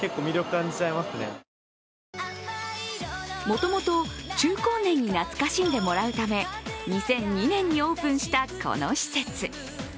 もともと中高年に懐かしんでもらうため２００２年にオープンしたこの施設。